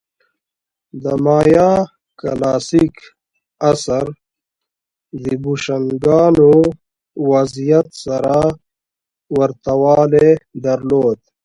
د مایا کلاسیک عصر د بوشونګانو وضعیت سره ورته والی درلود